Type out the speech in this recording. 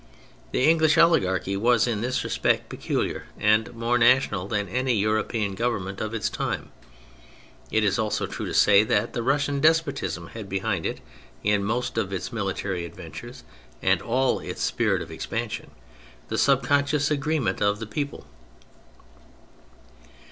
The English oligarchy was in this respect peculiar and more national than any European Govern ment of its time. It is also true to say that the Russian despotism had behind it, in most of its military adventures and in all its spirit of expansion, the subconscious agreement of the people.